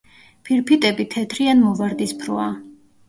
ფირფიტები თეთრი ან მოვარდისფროა.